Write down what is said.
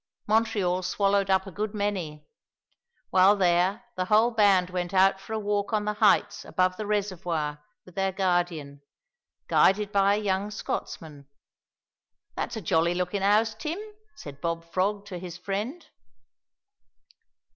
Montreal swallowed up a good many. While there the whole band went out for a walk on the heights above the reservoir with their Guardian, guided by a young Scotsman. "That's a jolly lookin' 'ouse, Tim," said Bob Frog to his friend.